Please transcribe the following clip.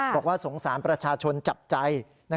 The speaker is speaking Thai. บอกว่าสงสารประชาชนจับใจ